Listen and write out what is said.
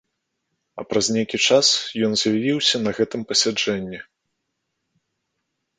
А праз нейкі час ён з'явіўся на гэтым пасяджэнні.